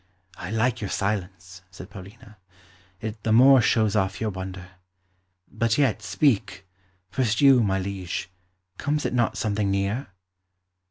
"I like your silence," said Paulina; "it the more shows off your wonder. But yet, speak. First you, my liege; comes it not something near?"